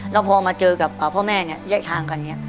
แล้วพอมาเจอกับพ่อแม่เนี่ยแยกทางกันอย่างนี้